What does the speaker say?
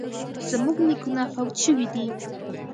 زموږ نیکونه فوت شوي دي